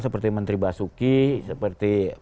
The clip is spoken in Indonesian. seperti menteri basuki seperti